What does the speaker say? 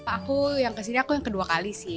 aku yang kesini aku yang kedua kali sih